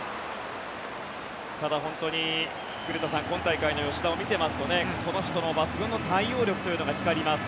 ただ、本当に古田さん今大会の吉田を見ていますとこの人の抜群の対応力というのが光ります。